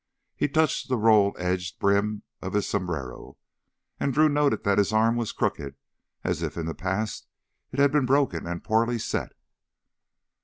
He touched the roll edged brim of his sombrero, and Drew noted that his arm was crooked as if in the past it had been broken and poorly set.